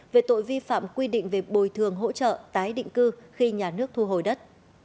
về tội vi phạm quy định về bồi thường hỗ trợ tái định cư khi nhà nước thu hồi đất